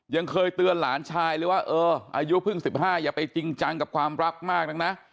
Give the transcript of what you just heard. ยังเคยเตือนหลานชายเลยว่าเอออายุเพิ่ง๑๕อย่าไปจริงจังกับความรักมากนะ